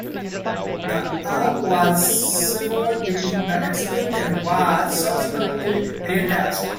The arm was severed during the accident and was surgically reattached.